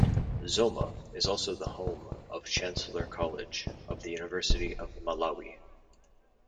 Zomba is also the home of Chancellor College of the University of Malawi.